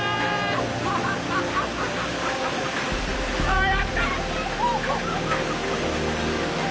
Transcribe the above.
ああやった！